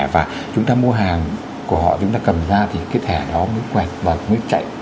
và chúng ta mua hàng của họ chúng ta cầm ra thì cái thẻ đó mới quẹt và mới chạy